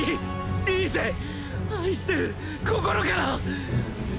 リーゼ愛してる心から！